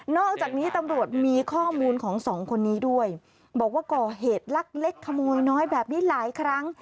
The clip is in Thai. อกจากนี้ตำรวจมีข้อมูลของสองคนนี้ด้วยบอกว่าก่อเหตุลักเล็กขโมยน้อยแบบนี้หลายครั้ง